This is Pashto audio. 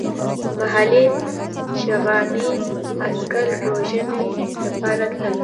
محلي شغناني عسکر روزنې لپاره تلل.